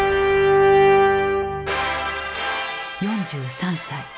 ４３歳。